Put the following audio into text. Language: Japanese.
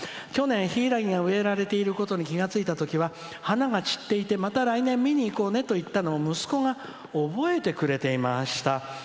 去年、柊が植えられていることが気が付いたときは花が散っていてまた来年見に行こうねと言っていたことを息子が覚えてくれていました。